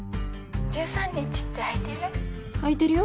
１３日って空いてる？